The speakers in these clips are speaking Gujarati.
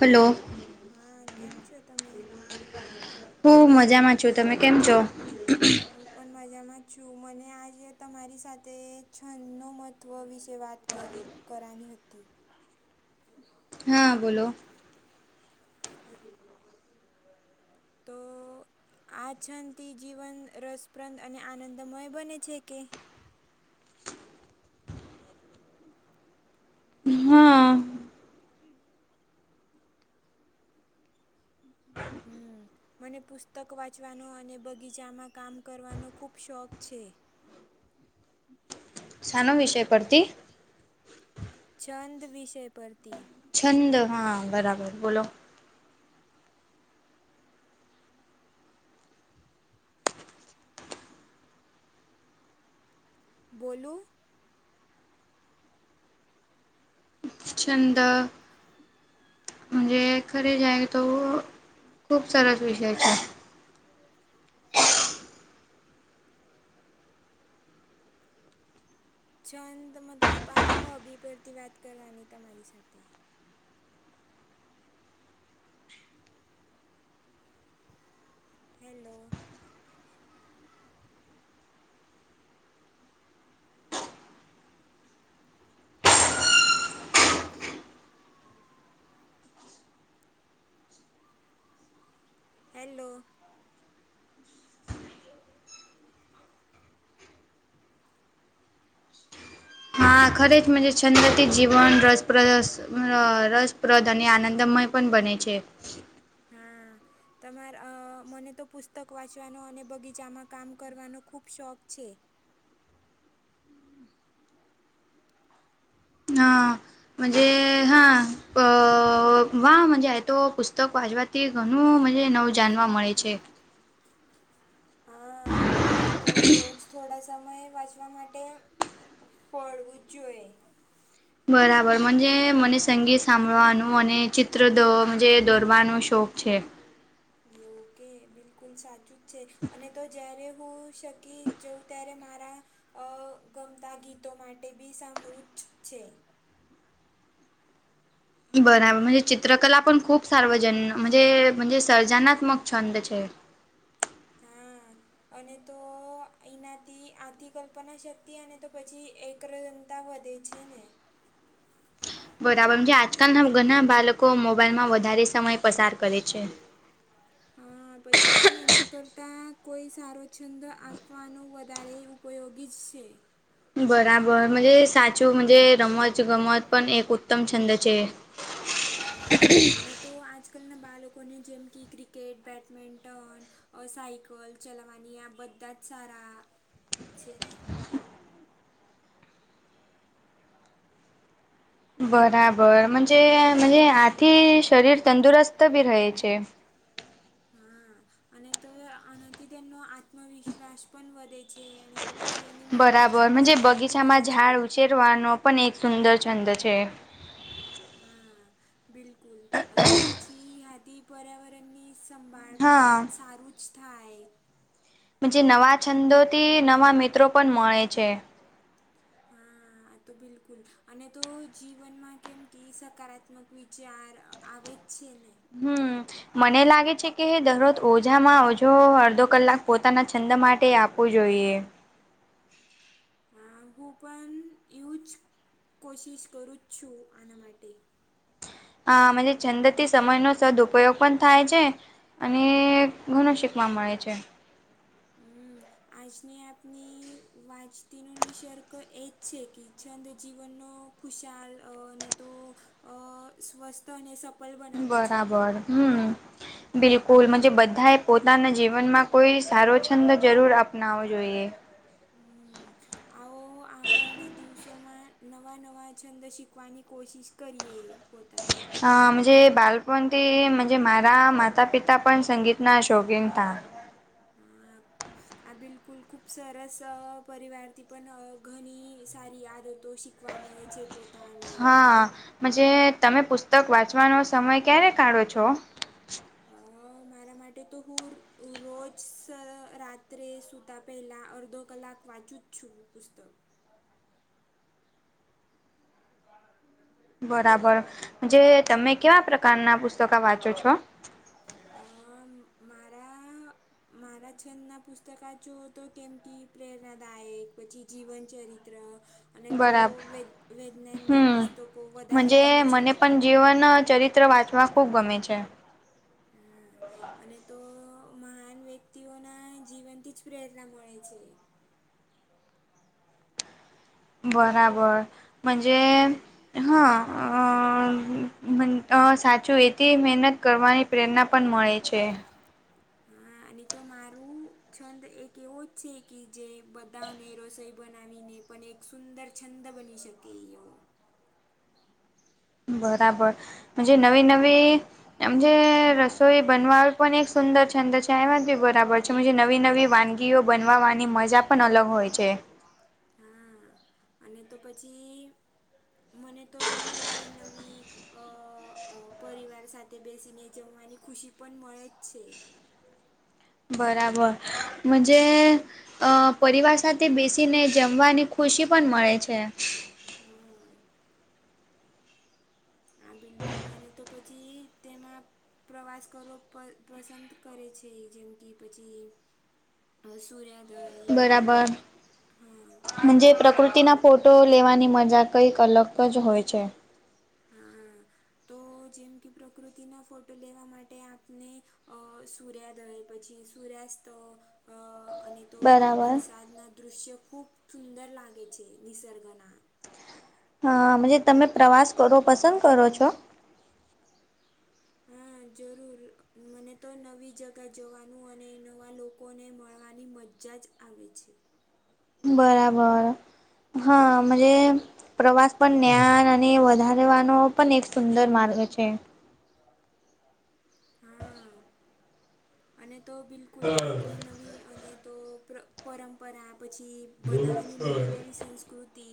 હલો. હા કેમ છો તમે હું મજામાં છું તમે કેમ છો? હું પણ મજામાં છું મને આજે તમારી સાથે છંદનો મહત્ત્વ વિશે વાત કરી કરાની હતી. હા બોલો. તો આ છંદથી જીવન રસપ્રદ અને આનંદમય બને છે કે હા. હમ્મ. મને પુસ્તક વાંચવાનો અને બગીચામાં કામ કરવાનો ખૂબ શોખ છે. શાનો વિષય પરથી છંદ વિષય પરથી છંદ હા બરાબર બોલો. બોલો. છંદ મુજે ઘરેે જાય તો ખૂબ સરસ વિષય છે. છંદ મતલબ આ હોબી પરથી વાત કરવાની તમારી સાથે હેલો. હેલો. હા, ખરીજમાં જે [unintelligible] જીવન રસપ્રદસ અહ રસપ્રદ અને આનંદમય પણ બને છે. હા. તમારા અહ મને તો પુસ્તક વાંચવાનો અને બગીચામાં કામ કરવાનો ખૂબ શોખ છે. હા. [unintelligible] તે ઘણું મને નવું જાણવા મળે છે. હા. અને તો રોજ થોડા સમયે વાંચવા માટે ફળવું જ જોઈએ. બરાબર. મને સંગીત સાંભળવાનું અને ચિત્ર દો દોરવાનો શોખ છે. ઓકે બિલકુલ સાચું જ છે અને તો જ્યારે હું શક કે જવં ત્યારે મારા અહ ગમતા ગીતો માટે બી સાંભળુ જ છે. [unintelligible] હા અને તો એનાથી આથી કલ્પના શક્તિ અને તો પછી એક આક્રજંતા વધે છે ને બરાબર, આજકાલના ઘણા બાળકો મોબાઈલમાં વધારે સમય પસાર કરે છે. હા, પછી એના કરતા કોઈ સારો છંદ આપવાનું વધારે ઉપ ઉપયોગી જ છે. બરાબર સાચું મુજે રમત ગમત પણ એક ઉત્તમ છંદ છે. હા અને તો આજકાલના બાળકોને જેમ કે ક્રિકેટ, બેડમેન્ટન અહ સાયકલ ચલાવાની આ બધાજ સારા છે ને બરાબર મુજે મુજે આથી શરીર તંદુરસ્ત બી રહે છે. હા અને તો આનાથી તેમનો આત્મવિશ્વાસ પણ વધે છે અને તો પછી એની મેડિટેશનની શક્તિ બી વધે છે. જો આ નો પણ એક સુંદર છંદ છે. હા, બિલકુલ તો પછી આથી પર્યાવરણની સંભાળ હા પણ સારું જ થાય. જે નવા છંદોથી નવા મિત્રો પણ મળે છે. હા તો બિલકુલ, અને તો જીવનમાં કેમ કે સકારાત્મક વિચાર આવે જ છે ને. હમ, મને લાગે છે કે દરરોજ ઓછામાં ઓછો અડધો કલાક પોતાના છંદ માટે આપવું જોઈએ. હા હું પણ યુજ કોશિશ કરું જ છું આના માટે. આ મ છંદથી સમયનો સદઉપયોગ પણ થાય છે. અને ઘણા શિખવા મળે છે. હમ. આજની આપની વાંચતીનો નિસર્ગ એ જ છે કે છંદ જીવનનો ખુશાલ ને તો સ્વસ્થ અને સફલ બનાવે છે. બરાબર હમ. બિલકુલ મંજે બધાએ પોતાનાં જીવનમાં કોઈ સારો છંદ જરૂર અપનાવો જોઈએ. હમ્મ. આવો આગળના દિવસોમાં નવાં-નવાં છંદ શીખવાની કોશીશ કરીએ. પોતાએ અજ બાલપણથીજ મારા માતા પિતા પણ સંગીતના શોકીન હતા. હા આ બિલકુલ ખૂબ સરસ પરિવારથી પણ ઘણી સારી આદ હતો શ. હા. મજ તમે પુસ્તક વાંચવાનો સમય ક્યારે કાઢો છો? હા. મારા માટે તો હું રોજ રાત્રે સૂતા પહેલાં અડધો કલાક વાંચું છઠુ પુસ્તક. બરાબર, જે તમે કેવાં પ્રકારનાં પુસ્તકા વાંચો છો? અમ્મ મારા મારા છંદનાં પુસ્તકા જુઓ તો જેમ કે પ્રેરણાદાયક પછી જીવનચરિત્ર. અને તો બરાબર વેદ વૈજ્ઞાનનાં હમ પુસ્તકો વધારે ગમે છે મને. જીવનો ચરિ ત્ર વાંચવા ખૂબ ગમે છે. હ. અને તો મહાન વ્યક્તિઓના જીવનથી જ પ્રેરણા મળે છે. બરાબર મંજે હા અ મ સાચું એથી મહેનત કરવાની પ્રેરણા પણ મળે છે. હા અને તો મારું છંદ એક એવું જ છે કે જે બધાને રસોઈ બનાવીને પણ એક સુંદર છંદ બની શકે એવો. બરાબર મંજે નવી-નવી. એમ જે રસોઈ બનવા પણ એક સુંદર છંદ છે એમાં જ બી બરાબર પછ નવી-નવી વાનગીઓ બનવાવાની મજા પણ અલગ હોય છે. હા. અને તો પછી મને તો રવિવારે નવી અ અં પરિવાર સાથે બેસીને જમવાની ખુશી પણ મળે જ છે. બરાબર મંજે અ પરિવાર સાથે બેસીને જમવાની ખુશી પણ મળે છે. હમ્મ. હા બિલકુલ અને તો પછી તેમાં પ્રવાસ કરવો પ પસંદ કરે છે જેમ કી પછી હ સૂર્યાદયો હો તે જ હમ્મ. હાજે પ્રકૃતિના ફોટો લેવાની મજા કંઈક અલગ જ હોય છે. હમ્મ, તો જેમ કે પ્રકૃતિના ફોટો લેવા માટે આપને અ સૂર્યાદય પછી સૂર્યાસ્ત અ અને તો બરાબર વરસાદના દ્રશ્ય ખુબ સુંદર લાગે છે નિસર્ગના. હા મંજે તમે પ્રવાસ કરવો પસંદ કરો છો? હા જરૂર મને તો નવી જગા જોવાનું અને નવાં લોકોને મળવાની મ જા જ આવે છે. બરાબર હા મજે પ્રવાસ પણ ન્યાન અને વધારવાનો પણ એક સુંદર માર્ગ છે. હા. અને તો બિલકુલ આપને નવી અને તો પ પરંપરા પછી બધાની નવી-નવી સંસ્કૃતિ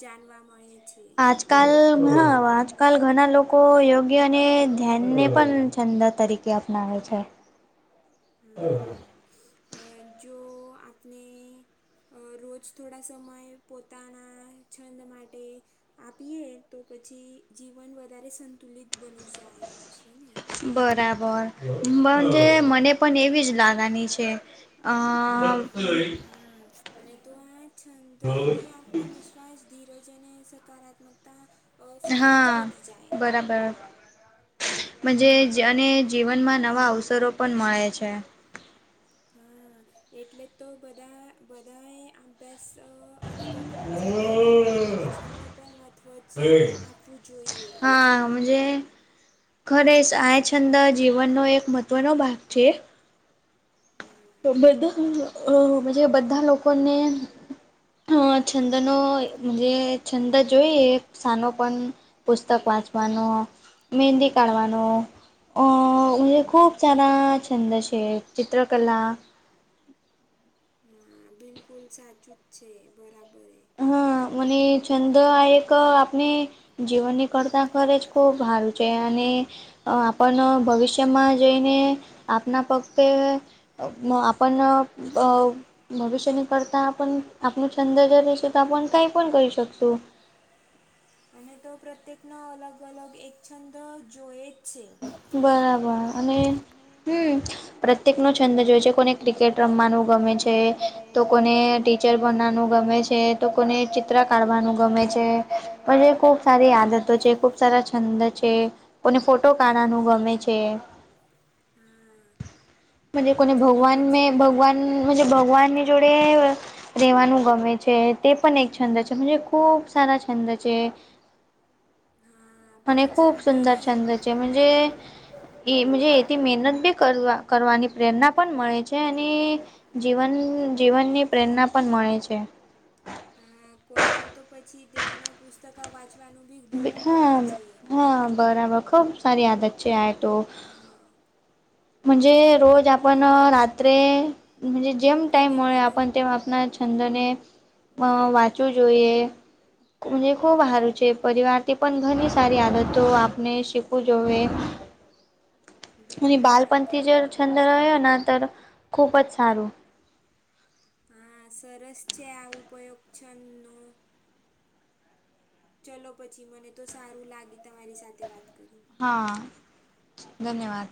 જાનવા મળે છે. આજકાલ હા આજકાલ ઘણા લોકો યોગ્ય અને ધ્યાનને પણ છંદ તરી કે અપનાવે છે. [inaudible] હ હા. જો આપને. રોજ થોડા સમય પોતાના છંદ માટે. આપીએ તો પછી જીવન વધારે સંતુલિત બની જાય છે ને. બરાબર મને મને પણ એવી જ લાગાની છે અ અને તો આ છંદ્રથી આત્મવિશ્વાસ, ધીરજ અને સકારાત્મક તા સારી જ વધી જાય. રાબર. મંને અને જીવનમાં નવાં અવસરો પણ મળે છે. હા એટલે તો બધા બધા એ અભ્યાસ અને તો કામ સાથે પોતાના છંદ નો પણ મત્વ આપવું જોઈએ જ ખરેશ આય છંદ જીવનનો એક મહત્વનો ભાગ છે. હા બધા બધા લોકોને અ છંદનોજ છંદ જોઈએ સાનો પણ પુસ્તક વાંચવાનું મહેંદી કાઢવાનું. અ ખૂબ સારા છંદ છે ચિત્રકલા હા બિલકુલ સાચું જ છે બરાબર હા મને છંદ આ એક આપને જીવનની કરતા ખરે જ ખુબ સારું છે અને આપણ ભવિષ્યમાં જઈને આપના પખતે આપણ અ ભવિષ્યની કરતા પણ આપણ છંદ જ ર ત તો આપ પણ કઈ પણ કરી શકતું. અને તો પ્રત્યેકનો અલગ અલગ એક છંદ જોએ જ છે. બરાબર અને હમ પ્રત્યેક નો છંદ જોય છે કોને ક્રિકેટ રમવાનું ગમે છે તો કોને ટીચર બનવાનું ગમે છે તો કોને ચિત્ર કાઢવાનું ગમે છે. ખુબ સારી આદતો છે ખુબ સારા છંદ છે કોને ફો ટો કાના નું ગમે છે. હા કોને ચલો ભગવાન મે પછી ભગવાન ભગવાનની જોડે. રેવાનું ગમે છે તે પણ એક છંદ છે ખુબ સારા છંદ છે. હા પછી જેમકી જેમજે એ એથી મહેનત બી કરવા કરવાની પ્રેરણા પણ મળે છે અને જીવન જીવનની પ્રેરણા પણ મળે છે. હા કોને તો પછી દેવના પુસ્તક વાંચવાનું. બી બહુ ગમે હા છે. હા બરાબર ખુબ સારી આદત છે આ તો હા જે રોજ આપણ રત્રેજે જીમ ટાઈમ કોને મુ મદદ આપણ તે આપણા છંદને વાંચવું જોઈએ ખૂબ હા સારું છે પરિવાર થી પણ ઘણી સારી આદતો આપણે શીખવું જોઈએ. બિલકુલ તો તથી જર છંદ રહ્યો ના તો ખૂબ જ સારું હા સરસ છે આ ઉપયોગ છંદનો ચલો પછી મને તો સારું લાગે તમારી સાથે વાત કરીને હા ધન્યવાદ